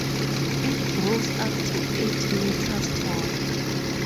It grows up to eight metres tall.